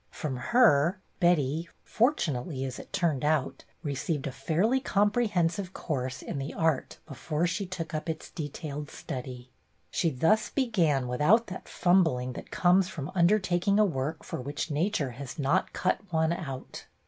From her Betty, for tunately, as it turned out, received a fairly comprehensive course in the art before she took up its detailed study. She thus began without that fumbling that comes from under taking a work for which Nature has not cut one out.